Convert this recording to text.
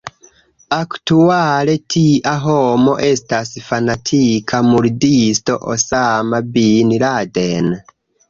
Aktuale tia homo estas fanatika murdisto Osama bin Laden.